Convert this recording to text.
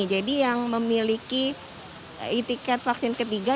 jadi yang memiliki etiket vaksin ketiga